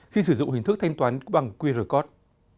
khi sử dụng hình thức thanh toán bằng qr code